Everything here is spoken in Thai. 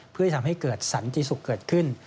เพื่อจะทำให้เกิดสันติสุขเกิดขึ้น